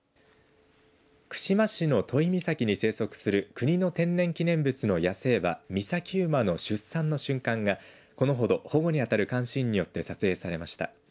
串間市の都井岬に生息する国の天然記念物の野生馬岬馬の出産の瞬間がこのほど、保護に当たる監視員によって撮影されました。